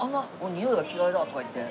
「においが嫌いだ」とか言って。